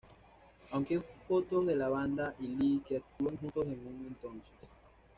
Aunque hay fotos de la banda y Lee que actúan juntos en un entonces.